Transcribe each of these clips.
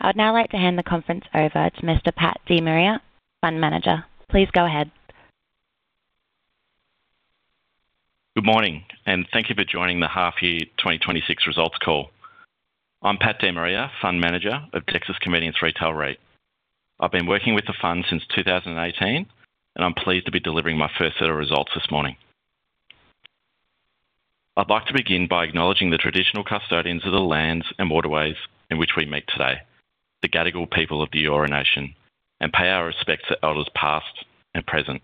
I would now like to hand the conference over to Mr. Pat De Maria, Fund Manager. Please go ahead. Good morning, and thank you for joining the half year 2026 results call. I'm Pat De Maria, Fund Manager of Dexus Convenience Retail REIT. I've been working with the fund since 2018, and I'm pleased to be delivering my first set of results this morning. I'd like to begin by acknowledging the traditional custodians of the lands and waterways in which we meet today, the Gadigal people of the Eora Nation, and pay our respects to elders, past and present.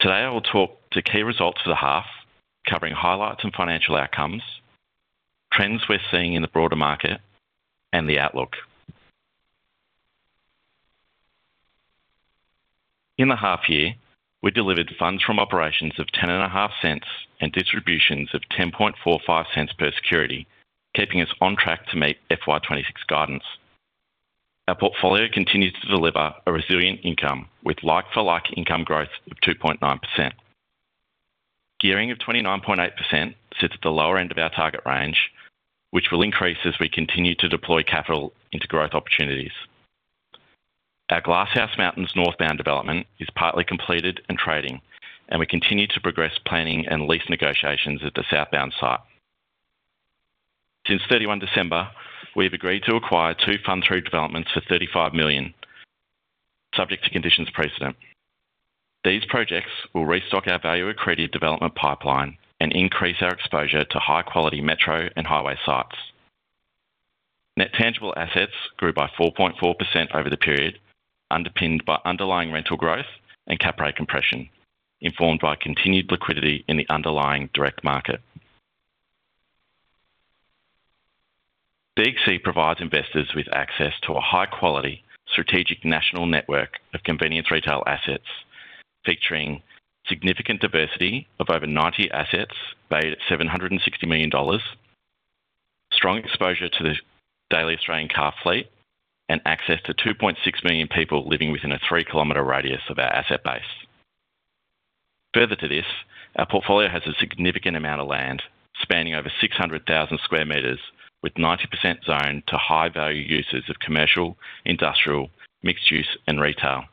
Today, I will talk to key results for the half, covering highlights and financial outcomes, trends we're seeing in the broader market, and the outlook. In the half year, we delivered funds from operations of 0.105, and distributions of 0.1045 per security, keeping us on track to meet FY 2026 guidance. Our portfolio continues to deliver a resilient income, with like-for-like income growth of 2.9%. Gearing of 29.8% sits at the lower end of our target range, which will increase as we continue to deploy capital into growth opportunities. Our Glass House Mountains northbound development is partly completed and trading, and we continue to progress planning and lease negotiations at the southbound site. Since 31 December, we have agreed to acquire two fund-through developments for 35 million, subject to conditions precedent. These projects will restock our value-accretive development pipeline and increase our exposure to high-quality metro and highway sites. Net tangible assets grew by 4.4% over the period, underpinned by underlying rental growth and cap rate compression, informed by continued liquidity in the underlying direct market. DXC provides investors with access to a high-quality, strategic national network of convenience retail assets, featuring significant diversity of over 90 assets valued at 760 million dollars, strong exposure to the daily Australian car fleet, and access to 2.6 million people living within a 3 km radius of our asset base. Further to this, our portfolio has a significant amount of land spanning over 600,000 square meters, with 90% zoned to high-value uses of commercial, industrial, mixed use, and retail.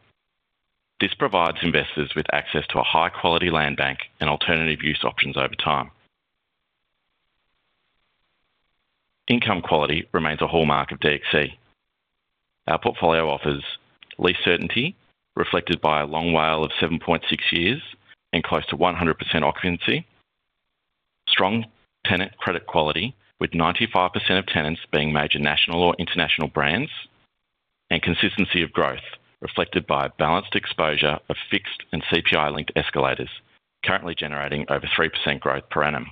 This provides investors with access to a high-quality land bank and alternative use options over time. Income quality remains a hallmark of DXC. Our portfolio offers lease certainty, reflected by a long WALE of 7.6 years and close to 100% occupancy. Strong tenant credit quality, with 95% of tenants being major national or international brands. Consistency of growth, reflected by a balanced exposure of fixed and CPI-linked escalators, currently generating over 3% growth per annum.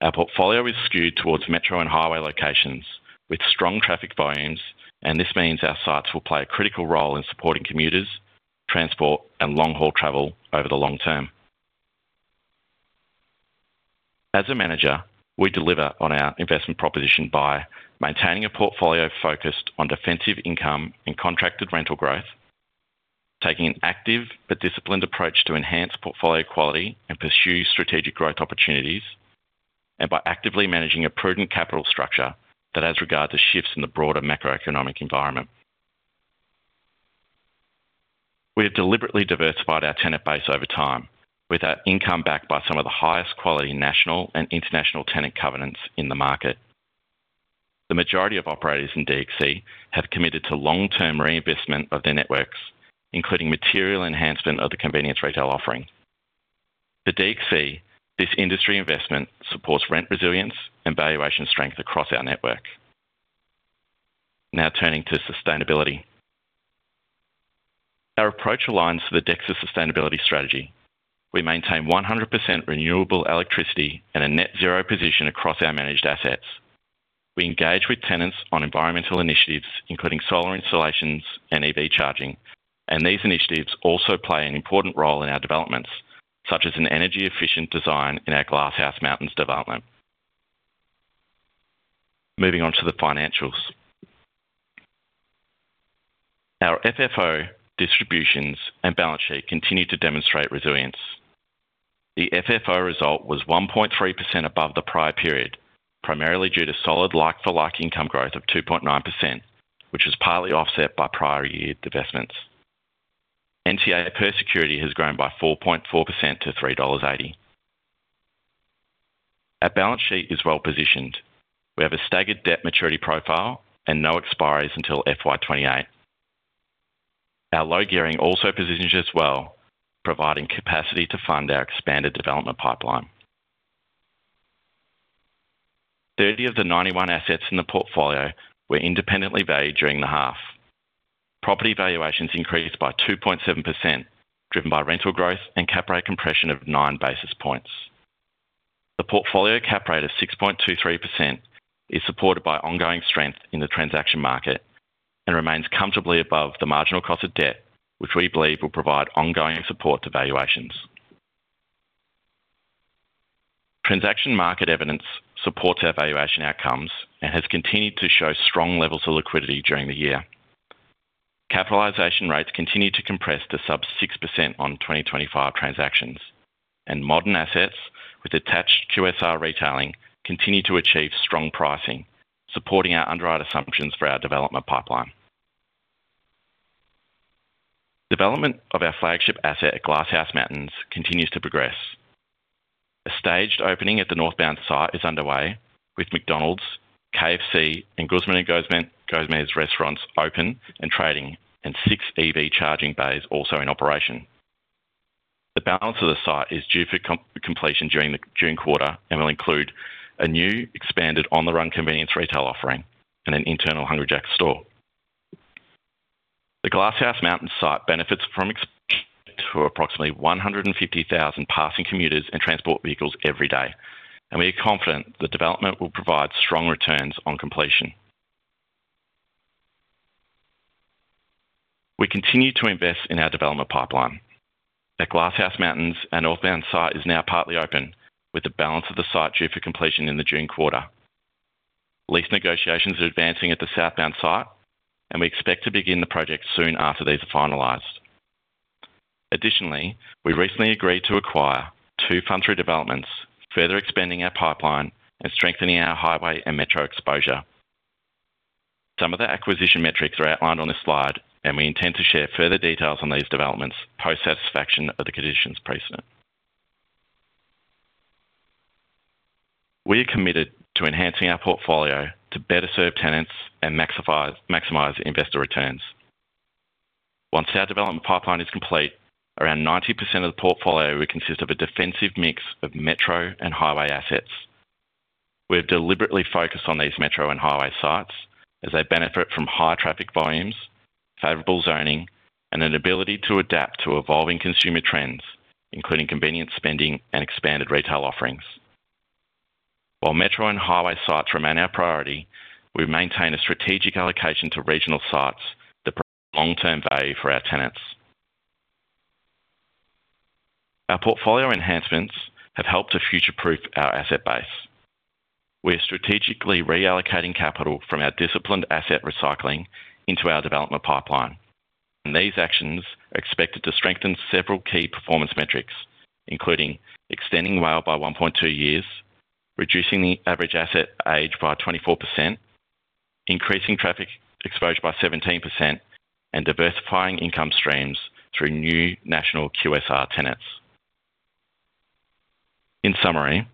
Our portfolio is skewed towards metro and highway locations with strong traffic volumes, and this means our sites will play a critical role in supporting commuters, transport, and long-haul travel over the long term. As a manager, we deliver on our investment proposition by maintaining a portfolio focused on defensive income and contracted rental growth, taking an active but disciplined approach to enhance portfolio quality and pursue strategic growth opportunities, and by actively managing a prudent capital structure that has regard to shifts in the broader macroeconomic environment. We have deliberately diversified our tenant base over time, with our income backed by some of the highest quality national and international tenant covenants in the market. The majority of operators in DXC have committed to long-term reinvestment of their networks, including material enhancement of the convenience retail offering. For DXC, this industry investment supports rent resilience and valuation strength across our network. Now turning to sustainability. Our approach aligns to the Dexus sustainability strategy. We maintain 100% renewable electricity and a net zero position across our managed assets. We engage with tenants on environmental initiatives, including solar installations and EV charging, and these initiatives also play an important role in our developments, such as an energy-efficient design in our Glass House Mountains development. Moving on to the financials. Our FFO distributions and balance sheet continue to demonstrate resilience. The FFO result was 1.3% above the prior period, primarily due to solid like-for-like income growth of 2.9%, which is partly offset by prior year divestments. NTA per security has grown by 4.4% to 3.80 dollars. Our balance sheet is well positioned. We have a staggered debt maturity profile and no expiries until FY 2028. Our low gearing also positions us well, providing capacity to fund our expanded development pipeline. 30 of the 91 assets in the portfolio were independently valued during the half. Property valuations increased by 2.7%, driven by rental growth and cap rate compression of nine basis points. The portfolio cap rate of 6.23% is supported by ongoing strength in the transaction market and remains comfortably above the marginal cost of debt, which we believe will provide ongoing support to valuations. Transaction market evidence supports our valuation outcomes and has continued to show strong levels of liquidity during the year. Capitalization rates continue to compress to sub-6% on 2025 transactions, and modern assets with attached QSR retailing continue to achieve strong pricing, supporting our underwrite assumptions for our development pipeline. Development of our flagship asset at Glass House Mountains continues to progress. A staged opening at the northbound site is underway, with McDonald's, KFC, and Guzman y Gomez restaurants open and trading, and six EV charging bays also in operation. The balance of the site is due for completion during the June quarter and will include a new expanded On The Run convenience retail offering and an internal Hungry Jack's store. The Glass House Mountains site benefits from approximately 150,000 passing commuters and transport vehicles every day, and we are confident the development will provide strong returns on completion. We continue to invest in our development pipeline. At Glass House Mountains, a northbound site is now partly open, with the balance of the site due for completion in the June quarter. Lease negotiations are advancing at the southbound site, and we expect to begin the project soon after these are finalized. Additionally, we recently agreed to acquire two fund-through developments, further expanding our pipeline and strengthening our highway and metro exposure. Some of the acquisition metrics are outlined on this slide, and we intend to share further details on these developments, post-satisfaction of the conditions precedent. We are committed to enhancing our portfolio to better serve tenants and maximize investor returns. Once our development pipeline is complete, around 90% of the portfolio will consist of a defensive mix of metro and highway assets. We've deliberately focused on these metro and highway sites as they benefit from high traffic volumes, favorable zoning, and an ability to adapt to evolving consumer trends, including convenience, spending, and expanded retail offerings. While metro and highway sites remain our priority, we maintain a strategic allocation to regional sites that provide long-term value for our tenants. Our portfolio enhancements have helped to future-proof our asset base. We're strategically reallocating capital from our disciplined asset recycling into our development pipeline. These actions are expected to strengthen several key performance metrics, including extending WALE by 1.2 years, reducing the average asset age by 24%, increasing traffic exposure by 17%, and diversifying income streams through new national QSR tenants. In summary,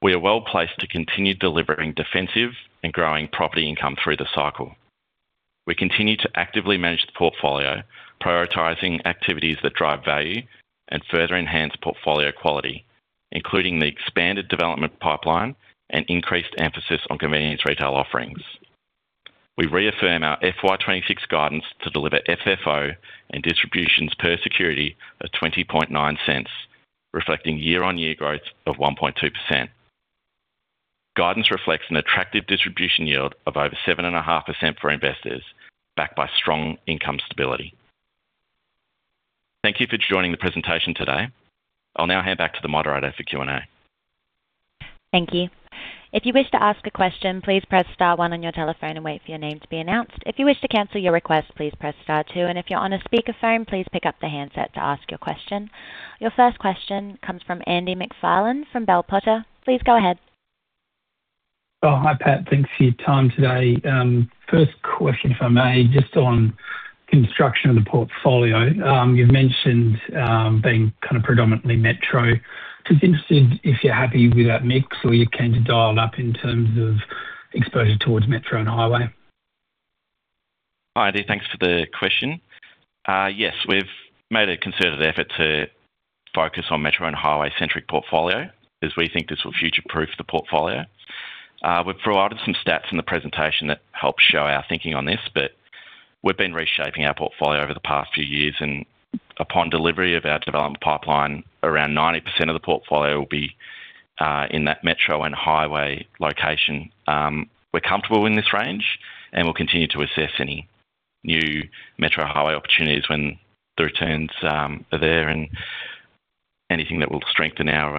we are well placed to continue delivering defensive and growing property income through the cycle. We continue to actively manage the portfolio, prioritizing activities that drive value and further enhance portfolio quality, including the expanded development pipeline and increased emphasis on convenience retail offerings. We reaffirm our FY 2026 guidance to deliver FFO and distributions per security of 0.209, reflecting year-on-year growth of 1.2%. Guidance reflects an attractive distribution yield of over 7.5% for investors, backed by strong income stability. Thank you for joining the presentation today. I'll now hand back to the moderator for Q&A. Thank you. If you wish to ask a question, please press star one on your telephone and wait for your name to be announced. If you wish to cancel your request, please press star two, and if you're on a speakerphone, please pick up the handset to ask your question. Your first question comes from Andy MacFarlane from Bell Potter. Please go ahead. Oh, hi, Pat. Thanks for your time today. First question, if I may, just on construction of the portfolio. You've mentioned being kind of predominantly metro. Just interested if you're happy with that mix, or you're keen to dial up in terms of exposure towards metro and highway? Hi, Andy. Thanks for the question. Yes, we've made a concerted effort to focus on metro and highway-centric portfolio as we think this will future-proof the portfolio. We've provided some stats in the presentation that help show our thinking on this, but we've been reshaping our portfolio over the past few years, and upon delivery of our development pipeline, around 90% of the portfolio will be in that metro and highway location. We're comfortable in this range, and we'll continue to assess any new metro highway opportunities when the returns are there and anything that will strengthen our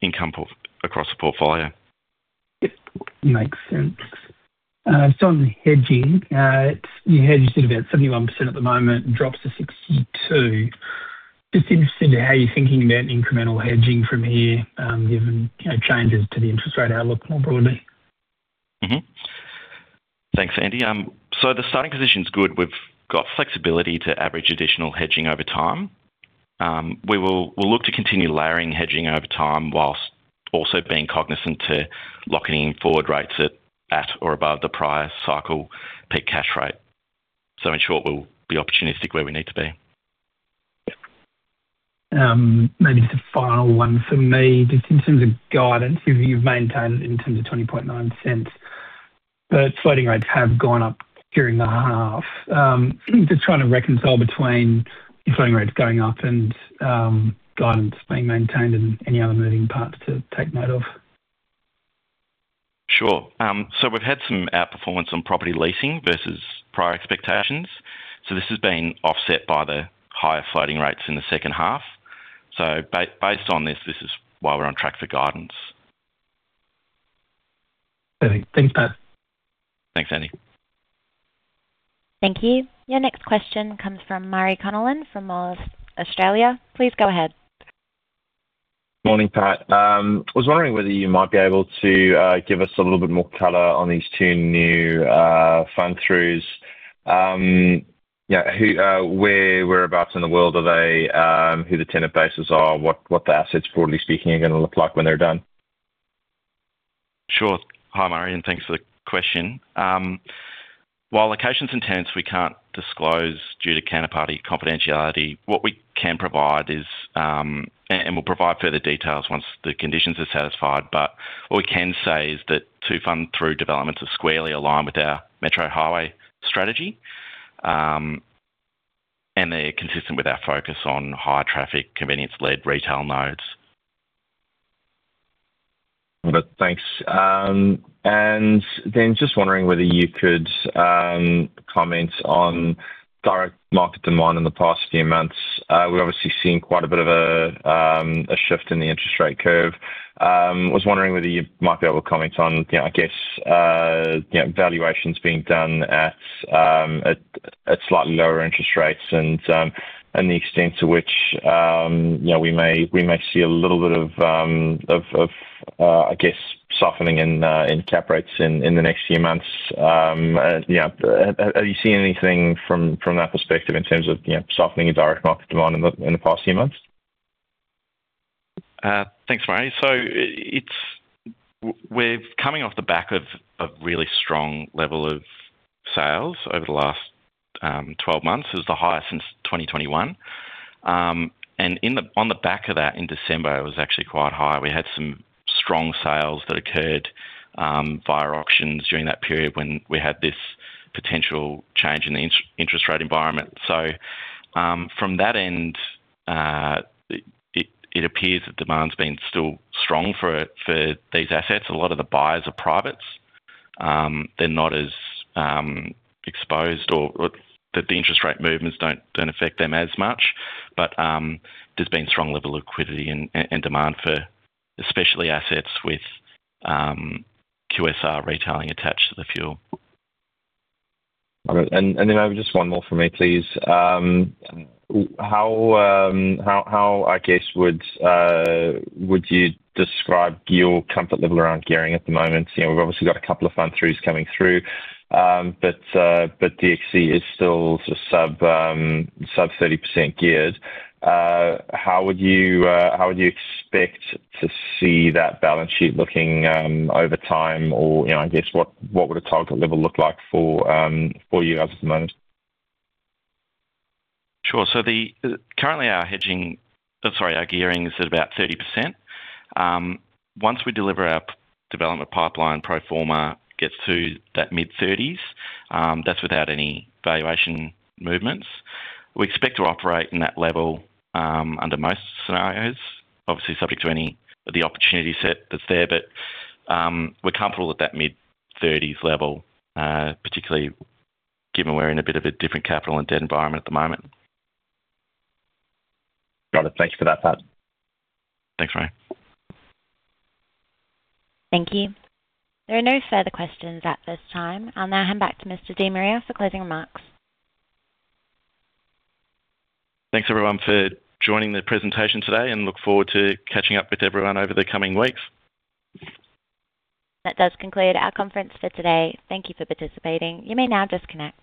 income portfolio across the portfolio. Yep, makes sense. So on hedging, you hedged at about 71% at the moment, and drops to 62. Just interested in how you're thinking about incremental hedging from here, given, you know, changes to the interest rate outlook more broadly? Thanks, Andy. So the starting position is good. We've got flexibility to average additional hedging over time. We will—we'll look to continue layering hedging over time, whilst also being cognizant to locking in forward rates at, or above the prior cycle peak cash rate. So in short, we'll be opportunistic where we need to be. Yep. Maybe just a final one for me. Just in terms of guidance, you've, you've maintained in terms of 0.209, but floating rates have gone up during the half. Just trying to reconcile between floating rates going up and guidance being maintained and any other moving parts to take note of? Sure. So we've had some outperformance on property leasing versus prior expectations, so this has been offset by the higher floating rates in the second half. So based on this, this is why we're on track for guidance. Andy, thanks, Pat. Thanks, Andy. Thank you. Your next question comes from Murray Connellan from Moelis Australia. Please go ahead. Morning, Pat. I was wondering whether you might be able to give us a little bit more color on these two new fund-throughs. Yeah, who, where, whereabouts in the world are they, who the tenant bases are, what the assets, broadly speaking, are gonna look like when they're done? Sure. Hi, Murray, and thanks for the question. While locations and tenants, we can't disclose due to counterparty confidentiality, what we can provide is, and we'll provide further details once the conditions are satisfied, but what we can say is that two fund-through developments are squarely aligned with our metro highway strategy, and they're consistent with our focus on high traffic, convenience-led retail nodes. Good. Thanks. And then just wondering whether you could comment on direct market demand in the past few months. We're obviously seeing quite a bit of a shift in the interest rate curve. I was wondering whether you might be able to comment on, you know, I guess, you know, valuations being done at slightly lower interest rates and the extent to which, you know, we may see a little bit of softening in cap rates in the next few months. Yeah, are you seeing anything from that perspective in terms of, you know, softening in direct market demand in the past few months? Thanks, Murray. So we're coming off the back of really strong level of sales over the last 12 months. It was the highest since 2021. On the back of that, in December, it was actually quite high. We had some strong sales that occurred via auctions during that period when we had this potential change in the interest rate environment. So from that end, it appears that demand's been still strong for these assets. A lot of the buyers are privates. They're not as exposed or that the interest rate movements don't affect them as much. But there's been strong level of liquidity and demand for especially assets with QSR retailing attached to the fuel. Then maybe just one more for me, please. How would you describe your comfort level around gearing at the moment? You know, we've obviously got a couple of fund throughs coming through, but DXC is still just sub 30% geared. How would you expect to see that balance sheet looking over time? Or, you know, I guess, what would a target level look like for you guys at the moment? Sure. So currently our gearing is at about 30%. Once we deliver our development pipeline, pro forma gets to that mid-30s, that's without any valuation movements. We expect to operate in that level, under most scenarios, obviously, subject to any of the opportunity set that's there. But, we're comfortable with that mid-30s level, particularly given we're in a bit of a different capital and debt environment at the moment. Got it. Thank you for that, Pat. Thanks, Murray. Thank you. There are no further questions at this time. I'll now hand back to Mr. De Maria for closing remarks. Thanks, everyone, for joining the presentation today, and look forward to catching up with everyone over the coming weeks. That does conclude our conference for today. Thank you for participating. You may now disconnect.